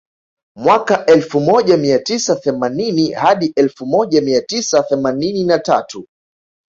Mwaka elfu moja mia tisa themanini hadi elfu moja mia tisa themanini na tatu